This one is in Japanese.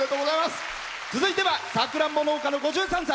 続いてはさくらんぼ農家の５３歳。